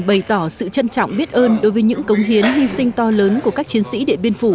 bày tỏ sự trân trọng biết ơn đối với những cống hiến hy sinh to lớn của các chiến sĩ điện biên phủ